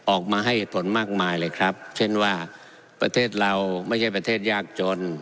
ออกมาให้เหตุผลมากมายเลยครับเช่นว่าประเทศเราไม่ใช่ประเทศยากจน